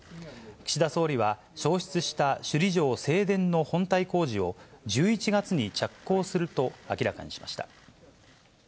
岸田総理は焼失した首里城正殿の本体工事を、１１月に着工すると明らかにしました。